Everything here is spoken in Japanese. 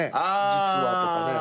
「実は」とかね。